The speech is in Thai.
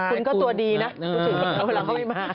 คุณก็ตัวดีนะพูดถึงเวลาเขาไม่มา